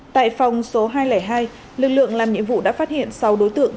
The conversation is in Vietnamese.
tại phòng số hai trăm linh hai lực lượng làm nhiệm vụ đã phát hiện sáu đối tượng